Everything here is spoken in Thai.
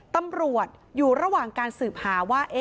ตำรวจอยู่ระหว่างการสืบหาว่า